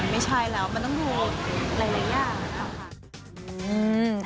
ไม่ใช่แล้วมันต้องดูหลายอย่างนะคะ